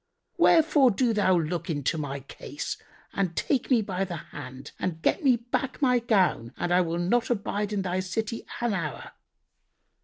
Wherefore do thou look into my case and take me by the hand and get me back my gown and I will not abide in thy city an hour."